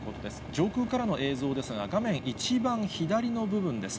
上空からの映像ですが、画面一番左の部分です。